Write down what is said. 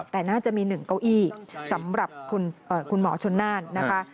แต่น่าจะมี๑เก้าอี้สำหรับคุณหมอชนน่านนะคะ